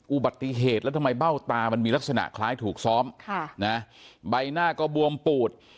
อุบัติเหตุแล้วทำไมเบ้าตามันมีลักษณะคล้ายถูกซ้อมใบหน้าก็บวมปูด